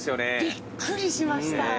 びっくりしました。